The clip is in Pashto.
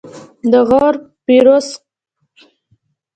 د غور فیروزکوه یو وخت د اسیا تر ټولو لوړ ښار و